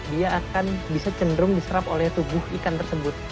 dia akan bisa cenderung diserap oleh tubuh ikan tersebut